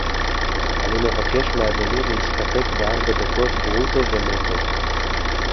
אני מבקש מאדוני להסתפק בארבע דקות ברוטו ונטו